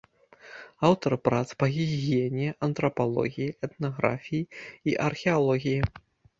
Аўтар прац па гігіене, антрапалогіі, этнаграфіі і археалогіі.